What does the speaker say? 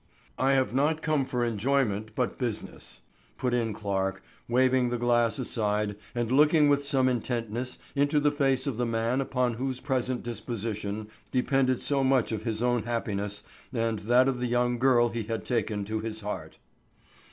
"I have not come for enjoyment, but business," put in Clarke, waving the glass aside and looking with some intentness into the face of the man upon whose present disposition depended so much of his own happiness and that of the young girl he had taken to his heart.